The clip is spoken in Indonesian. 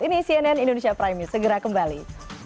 ini cnn indonesia prime news segera kembali